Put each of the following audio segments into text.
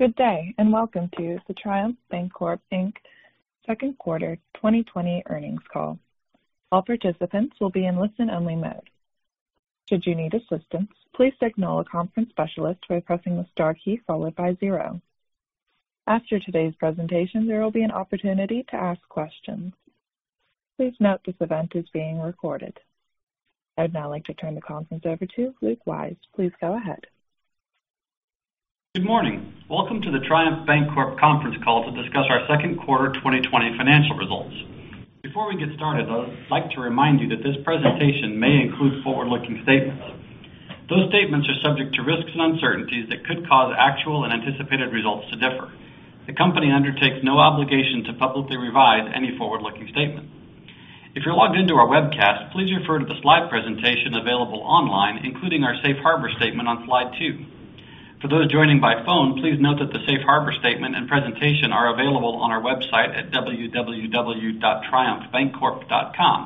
Good day, and welcome to the Triumph Financial, Inc. second quarter 2020 earnings call. All participants will be in listen only mode. Should you need assistance, please signal a conference specialist by pressing the star key followed by zero. After today's presentation, there will be an opportunity to ask questions. Please note this event is being recorded. I'd now like to turn the conference over to Luke Wyse. Please go ahead. Good morning. Welcome to the Triumph Financial conference call to discuss our second quarter 2020 financial results. Before we get started, I'd like to remind you that this presentation may include forward-looking statements. Those statements are subject to risks and uncertainties that could cause actual and anticipated results to differ. The company undertakes no obligation to publicly revise any forward-looking statement. If you're logged in to our webcast, please refer to the slide presentation available online, including our safe harbor statement on slide two. For those joining by phone, please note that the safe harbor statement and presentation are available on our website at www.triumphbancorp.com.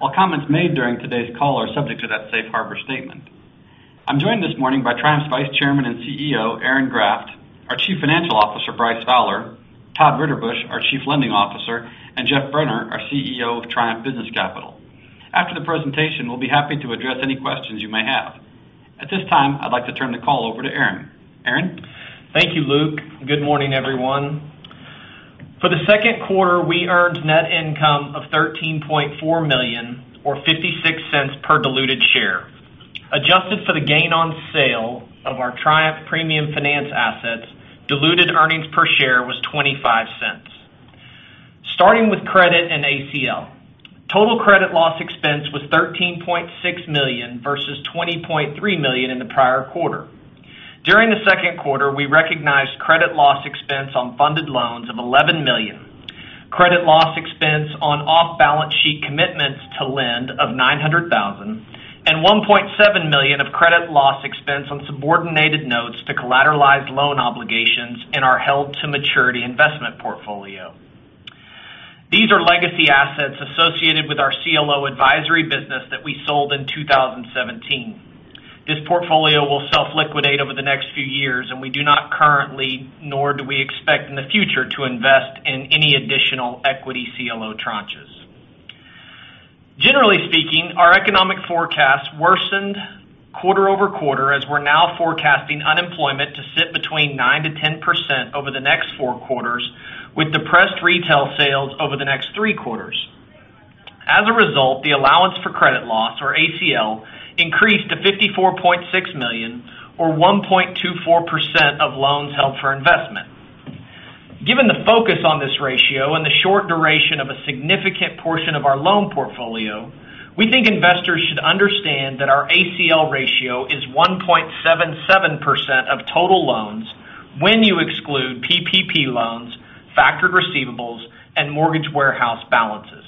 All comments made during today's call are subject to that safe harbor statement. I'm joined this morning by Triumph's Vice Chairman and CEO, Aaron Graft, our Chief Financial Officer, Bryce Fowler, Todd Ritterbusch, our Chief Lending Officer, and Geoffrey Brenner, our CEO of Triumph Business Capital. After the presentation, we'll be happy to address any questions you may have. At this time, I'd like to turn the call over to Aaron. Aaron? Thank you, Luke. Good morning, everyone. For the second quarter, we earned net income of $13.4 million, or $0.56 per diluted share. Adjusted for the gain on sale of our Triumph Premium Finance assets, diluted earnings per share was $0.25. Starting with credit and ACL. Total credit loss expense was $13.6 million versus $20.3 million in the prior quarter. During the second quarter, we recognized credit loss expense on funded loans of $11 million, credit loss expense on off-balance-sheet commitments to lend of $900,000, and $1.7 million of credit loss expense on subordinated notes to collateralized loan obligations in our held to maturity investment portfolio. These are legacy assets associated with our CLO advisory business that we sold in 2017. This portfolio will self-liquidate over the next few years, and we do not currently, nor do we expect in the future, to invest in any additional equity CLO tranches. Generally speaking, our economic forecasts worsened quarter-over-quarter, as we're now forecasting unemployment to sit between 9%-10% over the next four quarters, with depressed retail sales over the next three quarters. As a result, the allowance for credit loss, or ACL, increased to $54.6 million, or 1.24% of loans held for investment. Given the focus on this ratio and the short duration of a significant portion of our loan portfolio, we think investors should understand that our ACL ratio is 1.77% of total loans when you exclude PPP loans, factored receivables, and mortgage warehouse balances.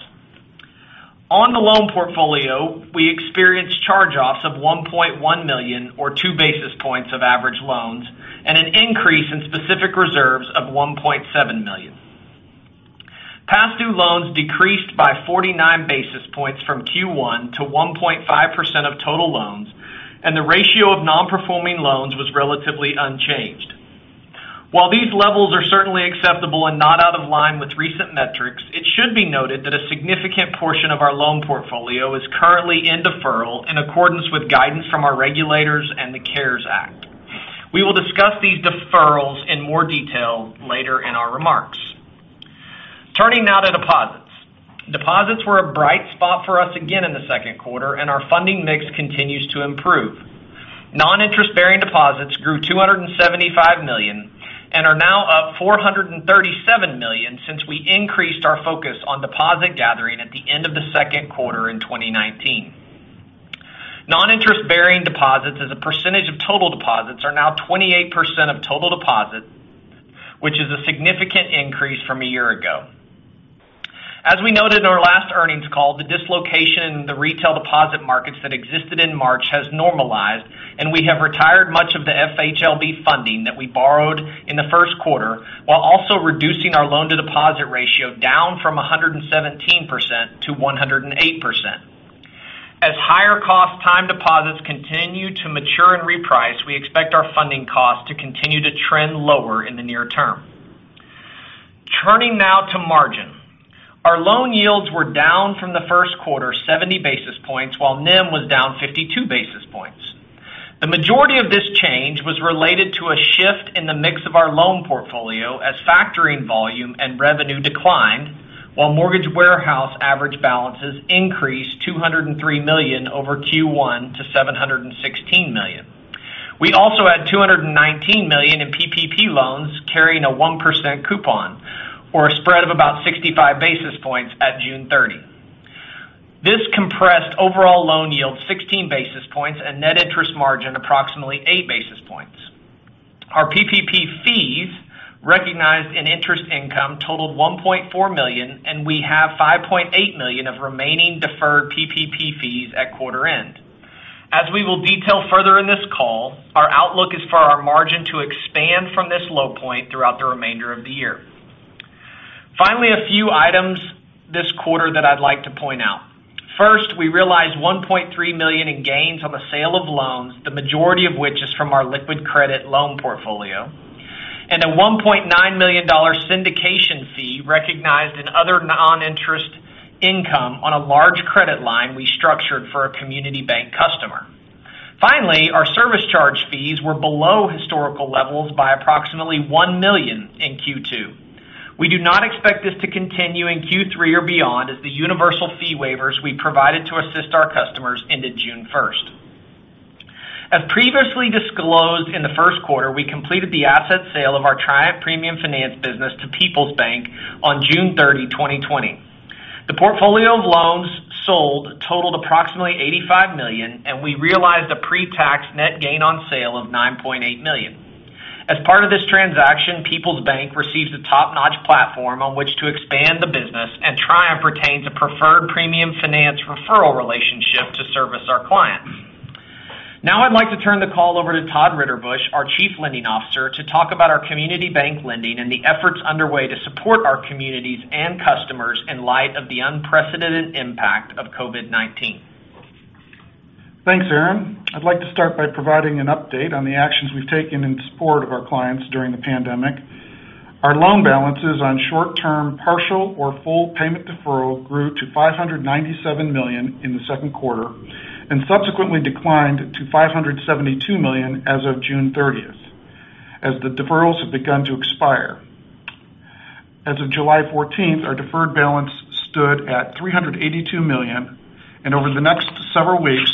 On the loan portfolio, we experienced charge-offs of $1.1 million, or two basis points of average loans, and an increase in specific reserves of $1.7 million. Past due loans decreased by 49 basis points from Q1 to 1.5% of total loans, and the ratio of non-performing loans was relatively unchanged. While these levels are certainly acceptable and not out of line with recent metrics, it should be noted that a significant portion of our loan portfolio is currently in deferral in accordance with guidance from our regulators and the CARES Act. We will discuss these deferrals in more detail later in our remarks. Turning now to deposits. Deposits were a bright spot for us again in the second quarter, and our funding mix continues to improve. Non-interest-bearing deposits grew $275 million and are now up $437 million since we increased our focus on deposit gathering at the end of the second quarter in 2019. Non-interest-bearing deposits as a percentage of total deposits are now 28% of total deposits, which is a significant increase from a year ago. As we noted in our last earnings call, the dislocation in the retail deposit markets that existed in March has normalized, and we have retired much of the FHLB funding that we borrowed in the first quarter, while also reducing our loan-to-deposit ratio down from 117% to 108%. As higher cost time deposits continue to mature and reprice, we expect our funding costs to continue to trend lower in the near term. Turning now to margin. Our loan yields were down from the first quarter 70 basis points, while NIM was down 52 basis points. The majority of this change was related to a shift in the mix of our loan portfolio as factoring volume and revenue declined, while mortgage warehouse average balances increased $203 million over Q1 to $716 million. We also had $219 million in PPP loans carrying a 1% coupon or a spread of about 65 basis points at June 30. This compressed overall loan yield 16 basis points and net interest margin approximately eight basis points. Our PPP fees recognized in interest income totaled $1.4 million, and we have $5.8 million of remaining deferred PPP fees at quarter end. As we will detail further in this call, our outlook is for our margin to expand from this low point throughout the remainder of the year. A few items this quarter that I'd like to point out. We realized $1.3 million in gains on the sale of loans, the majority of which is from our liquid credit loan portfolio, and a $1.9 million syndication fee recognized in other non-interest income on a large credit line we structured for a community bank customer. Our service charge fees were below historical levels by approximately $1 million in Q2. We do not expect this to continue in Q3 or beyond as the universal fee waivers we provided to assist our customers ended June 1st. As previously disclosed in the first quarter, we completed the asset sale of our Triumph Premium Finance business to Peoples Bank on June 30, 2020. The portfolio of loans sold totaled approximately $85 million, and we realized a pre-tax net gain on sale of $9.8 million. As part of this transaction, Peoples Bank receives a top-notch platform on which to expand the business, and Triumph retains a preferred premium finance referral relationship to service our clients. Now I'd like to turn the call over to Todd Ritterbusch, our chief lending officer, to talk about our community bank lending and the efforts underway to support our communities and customers in light of the unprecedented impact of COVID-19. Thanks, Aaron. I'd like to start by providing an update on the actions we've taken in support of our clients during the pandemic. Our loan balances on short-term partial or full payment deferral grew to $597 million in the second quarter, and subsequently declined to $572 million as of June 30th, as the deferrals have begun to expire. As of July 14th, our deferred balance stood at $382 million, and over the next several weeks,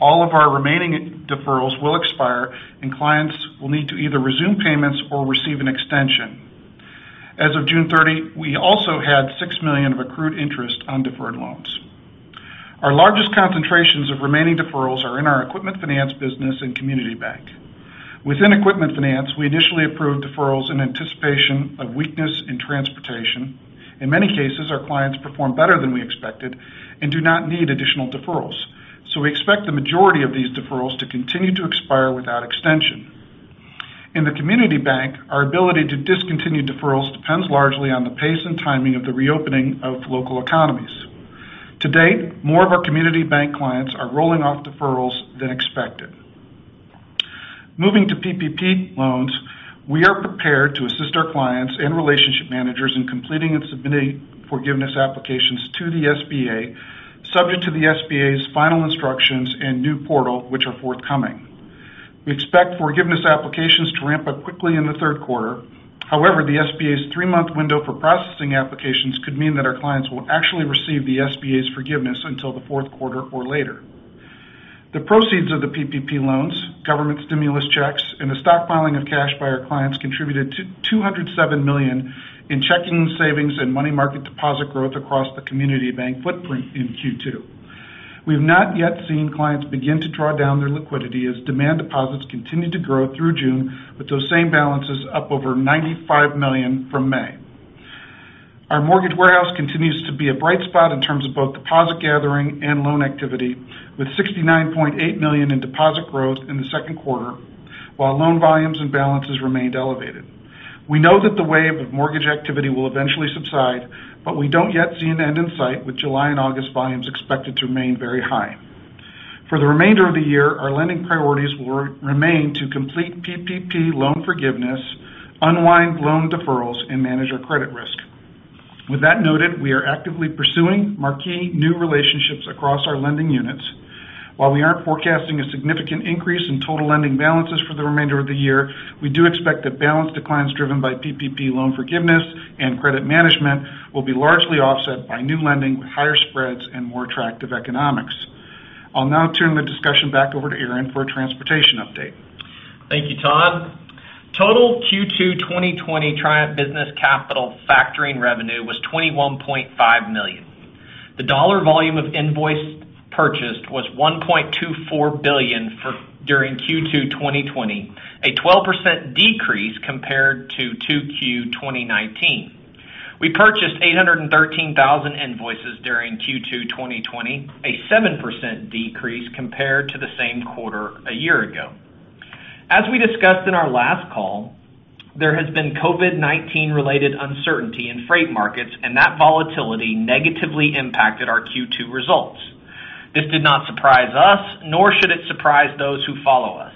all of our remaining deferrals will expire, and clients will need to either resume payments or receive an extension. As of June 30, we also had $6 million of accrued interest on deferred loans. Our largest concentrations of remaining deferrals are in our equipment finance business and community bank. Within equipment finance, we initially approved deferrals in anticipation of weakness in transportation. In many cases, our clients performed better than we expected and do not need additional deferrals. We expect the majority of these deferrals to continue to expire without extension. In the community bank, our ability to discontinue deferrals depends largely on the pace and timing of the reopening of local economies. To date, more of our community bank clients are rolling off deferrals than expected. Moving to PPP loans, we are prepared to assist our clients and relationship managers in completing and submitting forgiveness applications to the SBA, subject to the SBA's final instructions and new portal, which are forthcoming. We expect forgiveness applications to ramp up quickly in the third quarter. The SBA's three-month window for processing applications could mean that our clients will actually receive the SBA's forgiveness until the fourth quarter or later. The proceeds of the PPP loans, government stimulus checks, and the stockpiling of cash by our clients contributed to $207 million in checking, savings, and money market deposit growth across the community bank footprint in Q2. We have not yet seen clients begin to draw down their liquidity as demand deposits continued to grow through June, with those same balances up over $95 million from May. Our mortgage warehouse continues to be a bright spot in terms of both deposit gathering and loan activity, with $69.8 million in deposit growth in the second quarter, while loan volumes and balances remained elevated. We know that the wave of mortgage activity will eventually subside, but we don't yet see an end in sight, with July and August volumes expected to remain very high. For the remainder of the year, our lending priorities will remain to complete PPP loan forgiveness, unwind loan deferrals, and manage our credit risk. With that noted, we are actively pursuing marquee new relationships across our lending units. While we aren't forecasting a significant increase in total lending balances for the remainder of the year, we do expect that balance declines driven by PPP loan forgiveness and credit management will be largely offset by new lending with higher spreads and more attractive economics. I'll now turn the discussion back over to Aaron for a transportation update. Thank you, Todd. Total Q2 2020 Triumph Business Capital factoring revenue was $21.5 million. The dollar volume of invoice purchased was $1.24 billion during Q2 2020, a 12% decrease compared to Q2 2019. We purchased 813,000 invoices during Q2 2020, a 7% decrease compared to the same quarter a year ago. As we discussed in our last call, there has been COVID-19 related uncertainty in freight markets. That volatility negatively impacted our Q2 results. This did not surprise us, nor should it surprise those who follow us.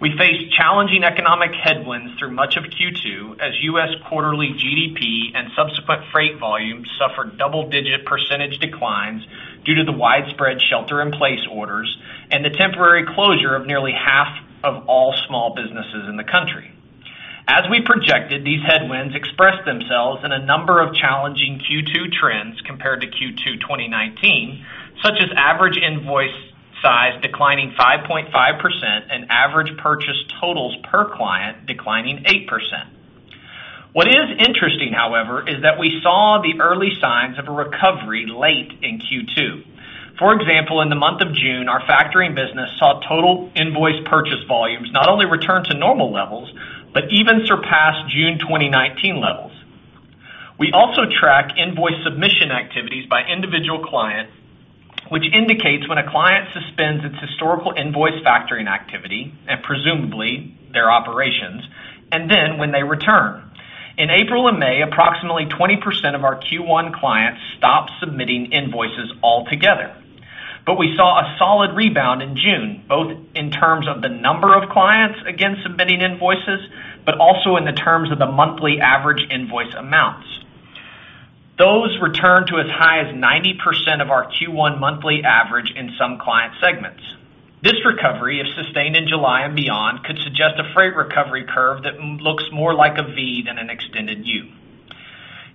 We faced challenging economic headwinds through much of Q2 as U.S. quarterly GDP and subsequent freight volumes suffered double-digit percentage declines due to the widespread shelter-in-place orders and the temporary closure of nearly half of all small businesses in the country. As we projected, these headwinds expressed themselves in a number of challenging Q2 trends compared to Q2 2019, such as average invoice size declining 5.5% and average purchase totals per client declining 8%. What is interesting, however, is that we saw the early signs of a recovery late in Q2. For example, in the month of June, our factoring business saw total invoice purchase volumes not only return to normal levels, but even surpass June 2019 levels. We also track invoice submission activities by individual client, which indicates when a client suspends its historical invoice factoring activity, and presumably their operations, and then when they return. In April and May, approximately 20% of our Q1 clients stopped submitting invoices altogether. We saw a solid rebound in June, both in the terms of the number of clients again submitting invoices, but also in the terms of the monthly average invoice amounts. Those returned to as high as 90% of our Q1 monthly average in some client segments. This recovery, if sustained in July and beyond, could suggest a freight recovery curve that looks more like a V than an extended U.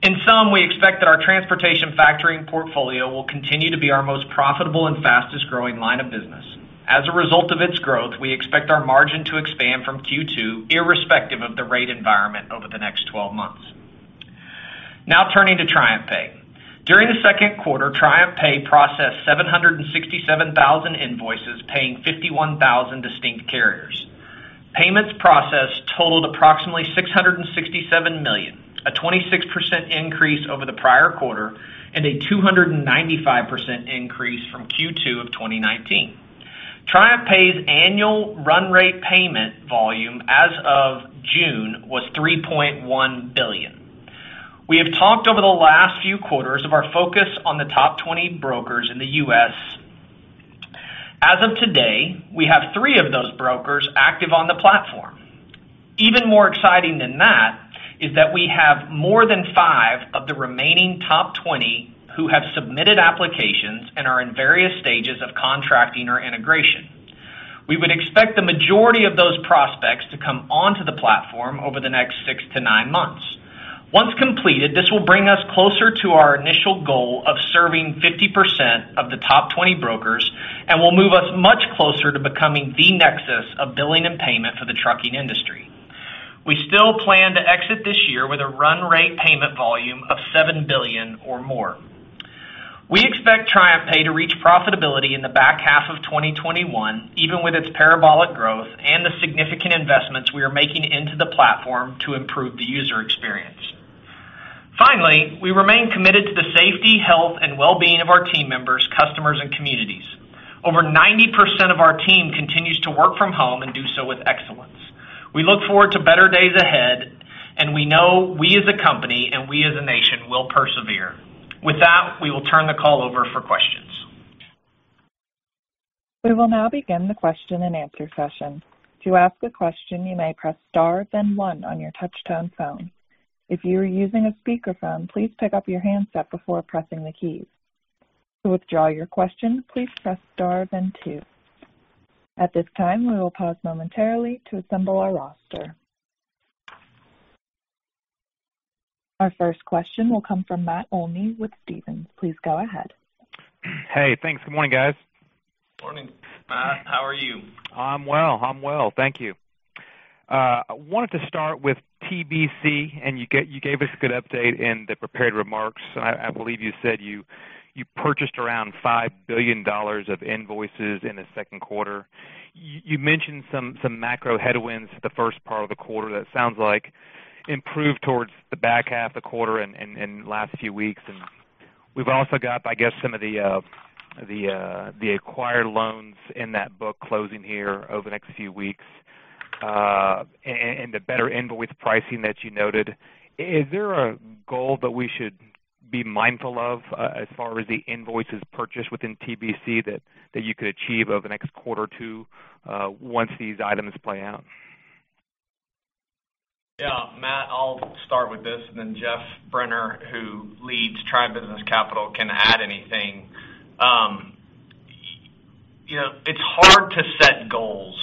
In sum, we expect that our transportation factoring portfolio will continue to be our most profitable and fastest-growing line of business. As a result of its growth, we expect our margin to expand from Q2 irrespective of the rate environment over the next 12 months. Turning to TriumphPay. During the second quarter, TriumphPay processed 767,000 invoices, paying 51,000 distinct carriers. Payments processed totaled approximately $667 million, a 26% increase over the prior quarter and a 295% increase from Q2 of 2019. TriumphPay's annual run rate payment volume as of June was $3.1 billion. We have talked over the last few quarters of our focus on the top 20 brokers in the U.S. As of today, we have three of those brokers active on the platform. Even more exciting than that is that we have more than five of the remaining top 20 who have submitted applications and are in various stages of contracting or integration. We would expect the majority of those prospects to come onto the platform over the next six to nine months. Once completed, this will bring us closer to our initial goal of serving 50% of the top 20 brokers and will move us much closer to becoming the nexus of billing and payment for the trucking industry. We still plan to exit this year with a run rate payment volume of $7 billion or more. We expect TriumphPay to reach profitability in the back half of 2021, even with its parabolic growth and the significant investments we are making into the platform to improve the user experience. Finally, we remain committed to the safety, health, and well-being of our team members, customers, and communities. Over 90% of our team continues to work from home and do so with excellence. We look forward to better days ahead, and we know we as a company and we as a nation will persevere. With that, we will turn the call over for questions. We will now begin the question and answer session. To ask a question, you may press star then one on your touch-tone phone. If you are using a speakerphone, please pick up your handset before pressing the keys. To withdraw your question, please press star then two. At this time, we will pause momentarily to assemble our roster. Our first question will come from Matt Olney with Stephens. Please go ahead. Hey, thanks. Good morning, guys. Morning. Matt, how are you? I'm well. Thank you. I wanted to start with TBC. You gave us a good update in the prepared remarks. I believe you said you purchased around $5 billion of invoices in the second quarter. You mentioned some macro headwinds the first part of the quarter that sounds like improved towards the back half of the quarter and last few weeks. We've also got, I guess, some of the acquired loans in that book closing here over the next few weeks, and the better invoice pricing that you noted. Is there a goal that we should be mindful of as far as the invoices purchased within TBC that you could achieve over the next quarter or two once these items play out? Yeah, Matt, I'll start with this, and then Geoffrey Brenner, who leads Triumph Business Capital, can add anything. It's hard to set goals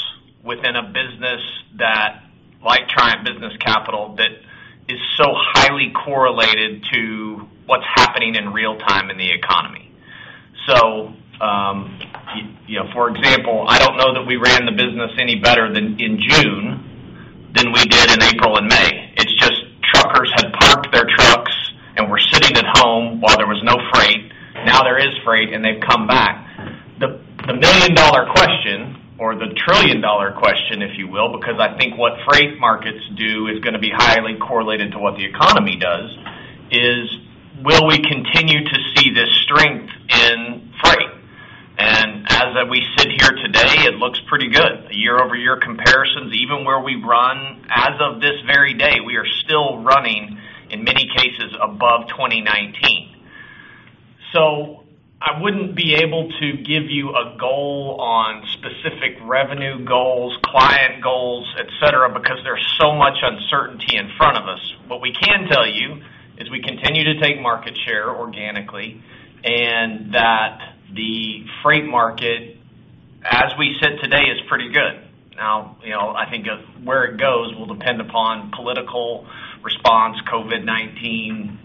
within a business that, like Triumph Business Capital, that is so highly correlated to what's happening in real time in the economy. For example, I don't know that we ran the business any better in June than we did in April and May. It's just truckers had parked their trucks and were sitting at home while there was no freight. Now there is freight, and they've come back. The million-dollar question, or the trillion-dollar question, if you will, because I think what freight markets do is going to be highly correlated to what the economy does, is will we continue to see this strength in freight? As we sit here today, it looks pretty good. Year-over-year comparisons, even where we run as of this very day, we are still running, in many cases, above 2019. I wouldn't be able to give you a goal on specific revenue goals, client goals, et cetera, because there's so much uncertainty in front of us. What we can tell you is we continue to take market share organically, and that the freight market, as we sit today, is pretty good. Now, I think where it goes will depend upon political response, COVID-19,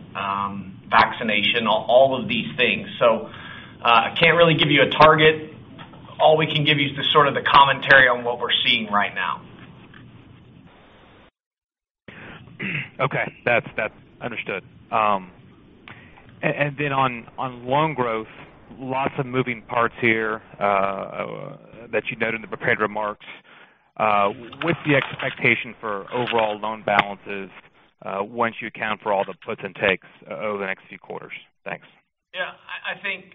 vaccination, all of these things. I can't really give you a target. All we can give you is the sort of the commentary on what we're seeing right now. Okay. That's understood. On loan growth, lots of moving parts here that you noted in the prepared remarks. What's the expectation for overall loan balances once you account for all the puts and takes over the next few quarters? Thanks. Yeah. I think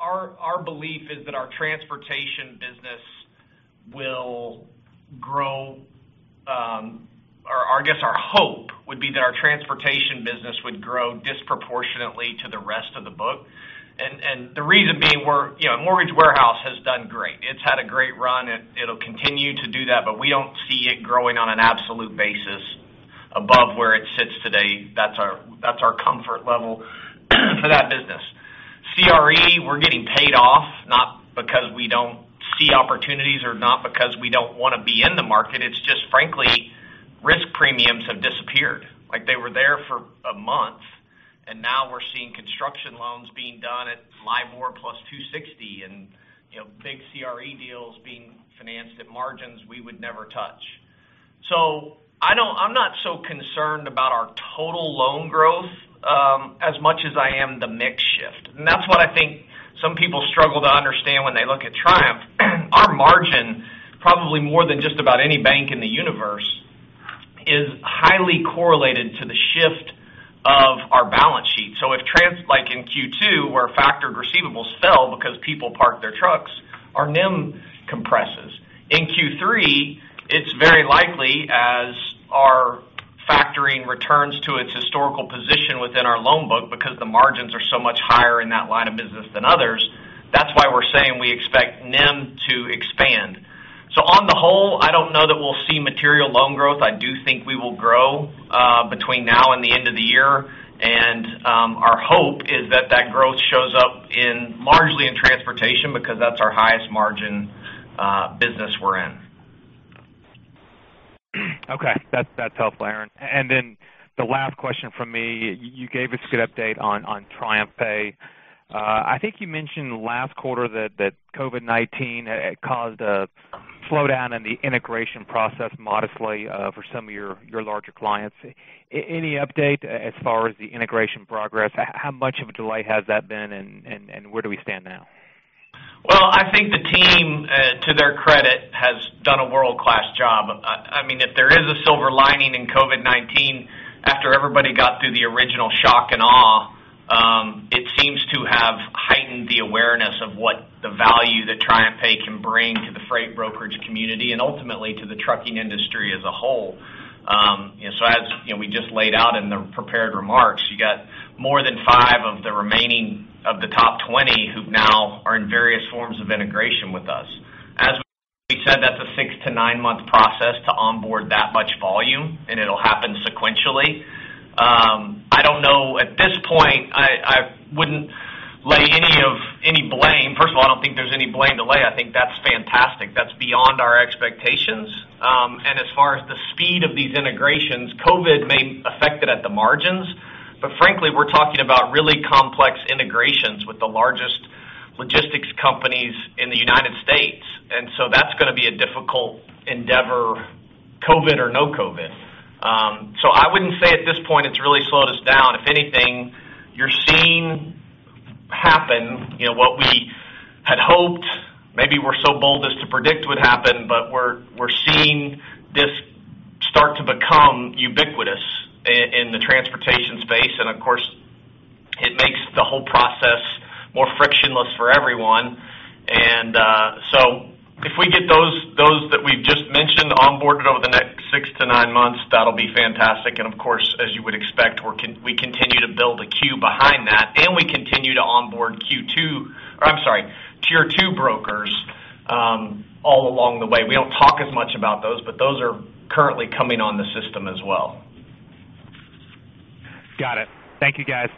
our belief is that our transportation business will grow, or I guess our hope would be that our transportation business would grow disproportionately to the rest of the book. The reason being, Mortgage Warehouse has done great. It's had a great run. It'll continue to do that, but we don't see it growing on an absolute basis above where it sits today. That's our comfort level for that business. CRE, we're getting paid off, not because we don't see opportunities or not because we don't want to be in the market. It's just, frankly, risk premiums have disappeared. Like, they were there for a month, and now we're seeing construction loans being done at LIBOR plus 260, and big CRE deals being financed at margins we would never touch. I'm not so concerned about our total loan growth, as much as I am the mix shift. That's what I think some people struggle to understand when they look at Triumph. Our margin, probably more than just about any bank in the universe, is highly correlated to the shift of our balance sheet. If like in Q2, where factored receivables fell because people parked their trucks, our NIM compresses. In Q3, it's very likely as our factoring returns to its historical position within our loan book because the margins are so much higher in that line of business than others. That's why we're saying we expect NIM to expand. On the whole, I don't know that we'll see material loan growth. I do think we will grow between now and the end of the year. Our hope is that that growth shows up largely in transportation because that's our highest margin business we're in. Okay. That's helpful, Aaron. The last question from me, you gave a good update on TriumphPay. I think you mentioned last quarter that COVID-19 caused a slowdown in the integration process modestly for some of your larger clients. Any update as far as the integration progress? How much of a delay has that been, and where do we stand now? Well, I think the team, to their credit, has done a world-class job. If there is a silver lining in COVID-19, after everybody got through the original shock and awe, it seems to have heightened the awareness of what the value that TriumphPay can bring to the freight brokerage community, and ultimately to the trucking industry as a whole. As we just laid out in the prepared remarks, you got more than five of the remaining of the top 20 who now are in various forms of integration with us. As we said, that's a six to nine-month process to onboard that much volume, and it'll happen sequentially. At this point, I wouldn't lay any blame. First of all, I don't think there's any blame to lay. I think that's fantastic. That's beyond our expectations. As far as the speed of these integrations, COVID may affect it at the margins, but frankly, we're talking about really complex integrations with the largest logistics companies in the United States. That's going to be a difficult endeavor, COVID or no COVID. I wouldn't say at this point it's really slowed us down. If anything, you're seeing happen what we had hoped, maybe were so bold as to predict would happen, but we're seeing this start to become ubiquitous in the transportation space. Of course, it makes the whole process more frictionless for everyone. If we get those that we've just mentioned onboarded over the next six to nine months, that'll be fantastic. Of course, as you would expect, we continue to build a queue behind that, and we continue to onboard tier 2 brokers all along the way. We don't talk as much about those are currently coming on the system as well. Got it. Thank you, guys.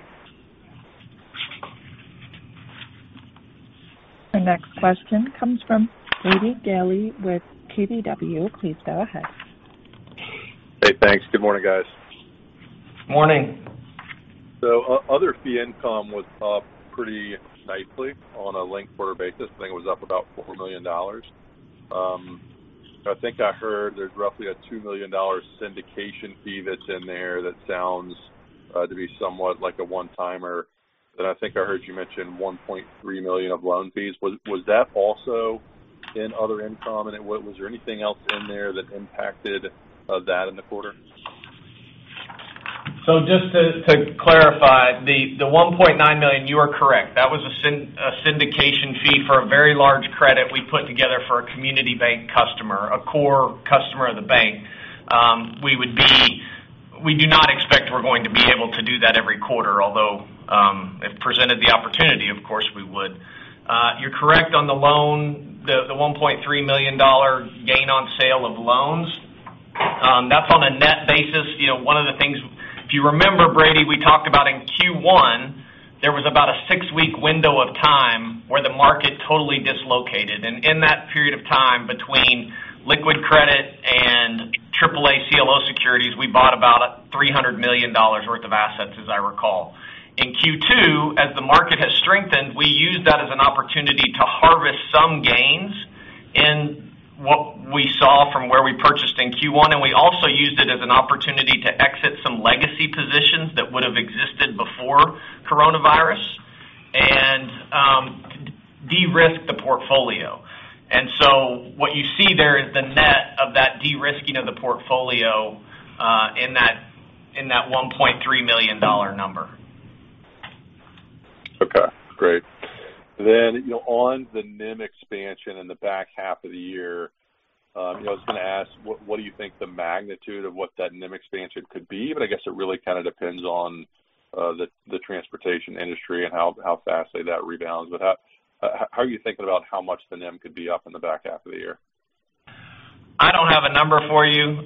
The next question comes from Brady Gailey with KBW. Please go ahead. Hey, thanks. Good morning, guys. Morning. Other fee income was up pretty nicely on a linked quarter basis. I think it was up about $4 million. I think I heard there's roughly a $2 million syndication fee that's in there that sounds to be somewhat like a one-timer. I think I heard you mention $1.3 million of loan fees. Was that also in other income? Was there anything else in there that impacted that in the quarter? Just to clarify, the $1.9 million, you are correct. That was a syndication fee for a very large credit we put together for a community bank customer, a core customer of the bank. We do not expect we're going to be able to do that every quarter, although, if presented the opportunity, of course, we would. You're correct on the loan, the $1.3 million gain on sale of loans. That's on a net basis. One of the things if you remember, Brady, we talked about in Q1, there was about a six-week window of time where the market totally dislocated. In that period of time between liquid credit and Triple-A CLO securities, we bought about $300 million worth of assets, as I recall. In Q2, as the market has strengthened, we used that as an opportunity to harvest some gains in what we saw from where we purchased in Q1, and we also used it as an opportunity To de-risk the portfolio. What you see there is the net of that de-risking of the portfolio in that $1.3 million number. Okay, great. On the NIM expansion in the back half of the year, I was going to ask, what do you think the magnitude of what that NIM expansion could be? I guess it really depends on the transportation industry and how fast that rebounds. How are you thinking about how much the NIM could be up in the back half of the year? I don't have a number for you.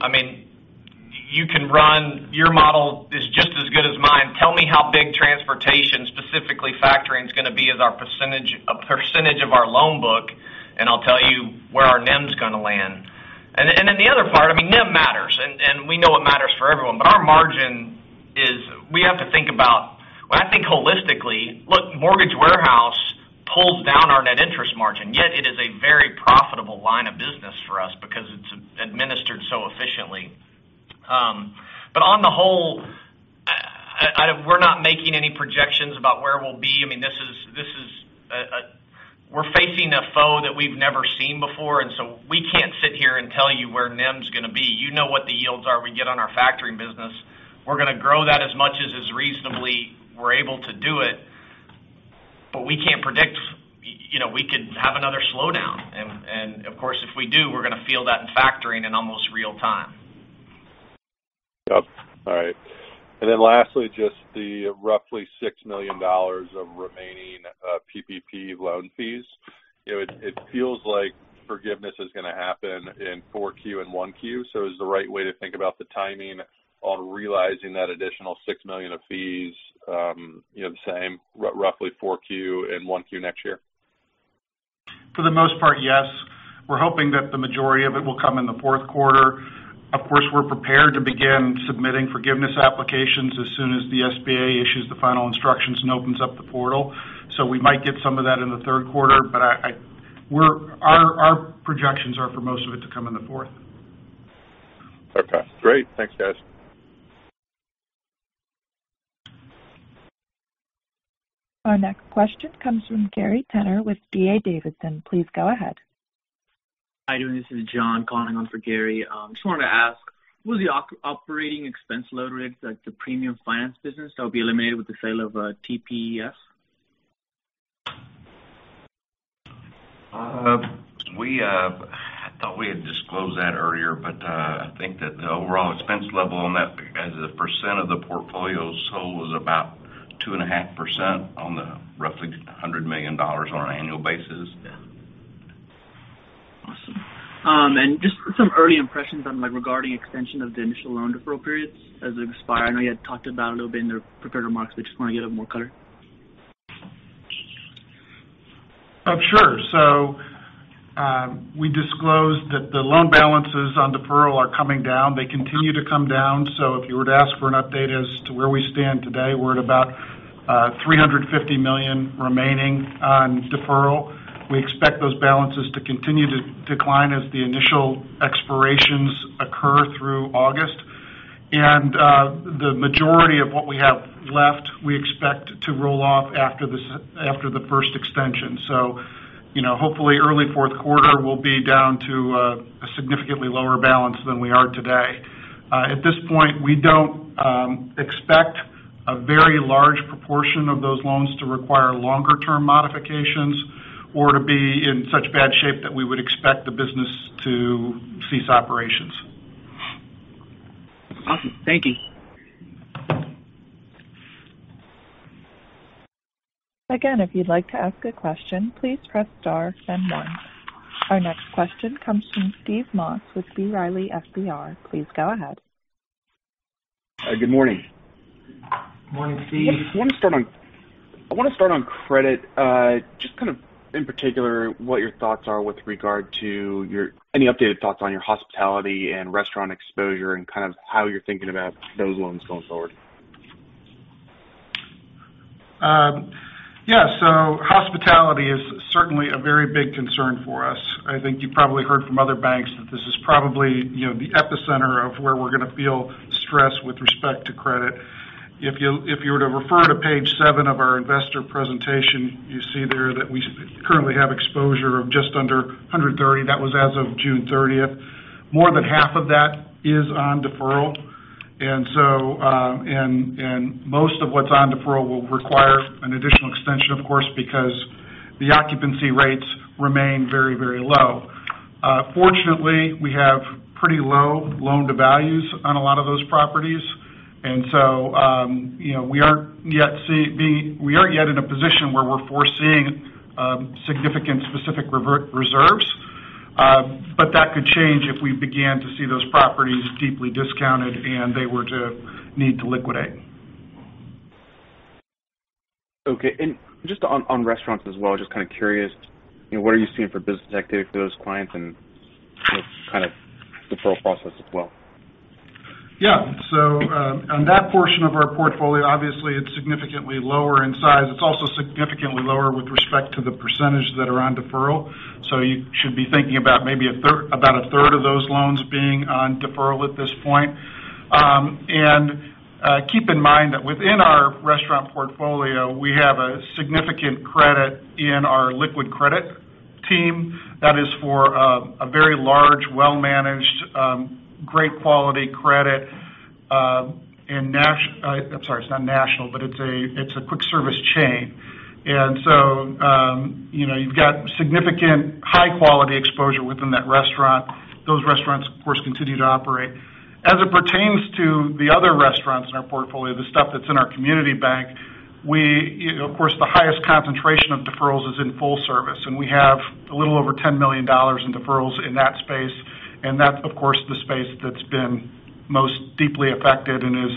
Your model is just as good as mine. Tell me how big transportation, specifically factoring, is going to be as a percentage of our loan book, and I'll tell you where our NIM is going to land. The other part, NIM matters. We know it matters for everyone, but our margin is we have to think about, I think holistically. Look, mortgage warehouse pulls down our net interest margin, yet it is a very profitable line of business for us because it's administered so efficiently. On the whole, we're not making any projections about where we'll be. We're facing a foe that we've never seen before, we can't sit here and tell you where NIM's going to be. You know what the yields are we get on our factoring business. We're going to grow that as much as is reasonably we're able to do it, but we can't predict. We could have another slowdown and, of course, if we do, we're going to feel that in factoring in almost real time. Yep. All right. Lastly, just the roughly $6 million of remaining PPP loan fees. It feels like forgiveness is going to happen in 4Q and 1Q. Is the right way to think about the timing on realizing that additional $6 million of fees, the same, roughly 4Q and 1Q next year? For the most part, yes. We're hoping that the majority of it will come in the fourth quarter. Of course, we're prepared to begin submitting forgiveness applications as soon as the SBA issues the final instructions and opens up the portal. We might get some of that in the third quarter, but our projections are for most of it to come in the fourth. Okay, great. Thanks, guys. Our next question comes from Gary Tenner with D.A. Davidson. Please go ahead. Hi, this is John calling on for Gary. Just wanted to ask, will the operating expense load rates at the premium finance business that will be eliminated with the sale of TPF? I thought we had disclosed that earlier, but I think that the overall expense level on that as a percent of the portfolio sold was about 2.5% on the roughly $100 million on an annual basis. Awesome. Just some early impressions on regarding extension of the initial loan deferral periods as they've expired. I know you had talked about it a little bit in the prepared remarks, but just want to get more color. Sure. We disclosed that the loan balances on deferral are coming down. They continue to come down. If you were to ask for an update as to where we stand today, we're at about $350 million remaining on deferral. We expect those balances to continue to decline as the initial expirations occur through August. The majority of what we have left, we expect to roll off after the first extension. Hopefully early fourth quarter, we'll be down to a significantly lower balance than we are today. At this point, we don't expect a very large proportion of those loans to require longer-term modifications or to be in such bad shape that we would expect the business to cease operations. Awesome. Thank you. If you'd like to ask a question, please press star then one. Our next question comes from Steve Moss with B. Riley FBR. Please go ahead. Good morning. Morning, Steve. I want to start on credit. Just in particular what your thoughts are with regard to any updated thoughts on your hospitality and restaurant exposure and how you're thinking about those loans going forward. Yeah. Hospitality is certainly a very big concern for us. I think you probably heard from other banks that this is probably the epicenter of where we're going to feel stress with respect to credit. If you were to refer to page seven of our investor presentation, you see there that we currently have exposure of just under $130 million. That was as of June 30th. More than half of that is on deferral. Most of what's on deferral will require an additional extension, of course, because the occupancy rates remain very, very low. Fortunately, we have pretty low loan-to-values on a lot of those properties, and so we aren't yet in a position where we're foreseeing significant specific reserves. That could change if we began to see those properties deeply discounted and they were to need to liquidate. Okay. Just on restaurants as well, just kind of curious, what are you seeing for business activity for those clients and kind of deferral process as well? Yeah. On that portion of our portfolio, obviously it's significantly lower in size. It's also significantly lower with respect to the percentage that are on deferral. You should be thinking about maybe about a third of those loans being on deferral at this point. Keep in mind that within our restaurant portfolio, we have a significant credit in our liquid credit team. That is for a very large, well-managed, great quality credit. It's a quick-service chain. You've got significant high-quality exposure within those restaurants. Those restaurants, of course, continue to operate. As it pertains to the other restaurants in our portfolio, the stuff that's in our community bank, of course, the highest concentration of deferrals is in full service, and we have a little over $10 million in deferrals in that space. That's, of course, the space that's been most deeply affected and is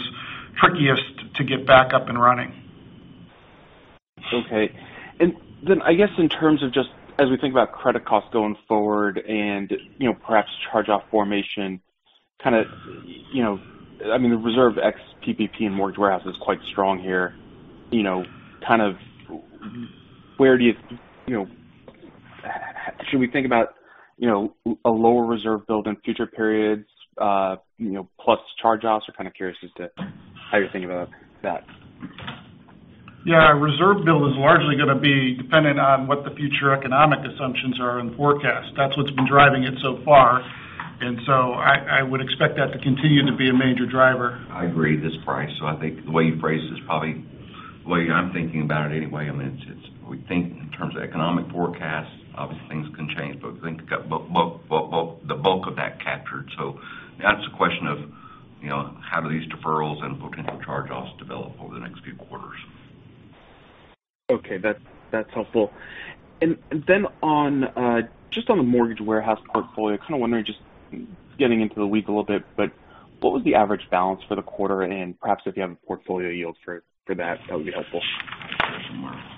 trickiest to get back up and running. Okay. I guess in terms of just as we think about credit costs going forward and perhaps charge-off formation, the reserve ex-PPP and Mortgage Warehouse is quite strong here. Should we think about a lower reserve build in future periods, plus charge-offs? I'm kind of curious as to how you're thinking about that. Yeah, our reserve build is largely going to be dependent on what the future economic assumptions are in the forecast. That's what's been driving it so far. I would expect that to continue to be a major driver. I agree. This is Bryce. I think the way you phrased it is probably the way I'm thinking about it anyway. We think in terms of economic forecasts, obviously things can change, but I think the bulk of that captured. That's a question of how do these deferrals and potential charge-offs develop over the next few quarters. Okay. That's helpful. Just on the Mortgage Warehouse portfolio, kind of wondering, just getting into the weeds a little bit, what was the average balance for the quarter? Perhaps if you have a portfolio yield for that would be helpful. It's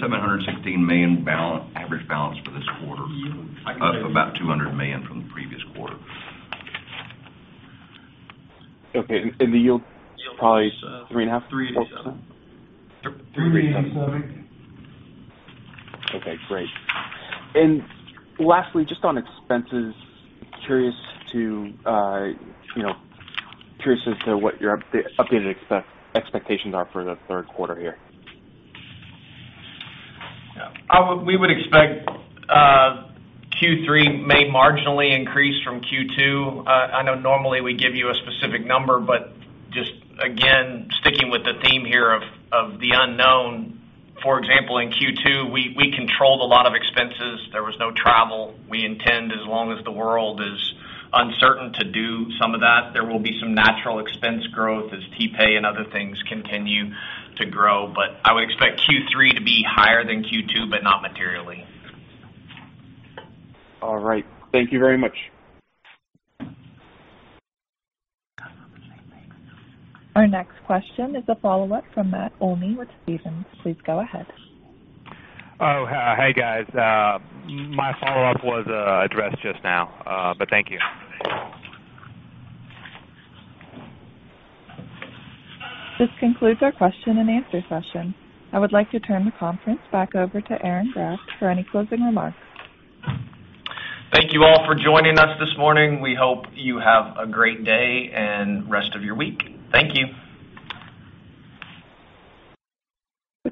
somewhere around $716. $716 million average balance for this quarter. Up about $200 million from the previous quarter. Okay. The yield's probably three and a half %? 377. Okay, great. Lastly, just on expenses, curious as to what your updated expectations are for the third quarter here. We would expect Q3 may marginally increase from Q2. I know normally we give you a specific number, but just again, sticking with the theme here of the unknown. For example, in Q2, we controlled a lot of expenses. There was no travel. We intend, as long as the world is uncertain, to do some of that. There will be some natural expense growth as TPay and other things continue to grow. I would expect Q3 to be higher than Q2, but not materially. All right. Thank you very much. Our next question is a follow-up from Matt Olney with Stephens. Please go ahead. Oh, hey, guys. My follow-up was addressed just now. Thank you. This concludes our question and answer session. I would like to turn the conference back over to Aaron Graft for any closing remarks. Thank you all for joining us this morning. We hope you have a great day and rest of your week. Thank you.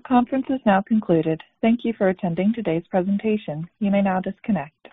The conference is now concluded. Thank you for attending today's presentation. You may now disconnect.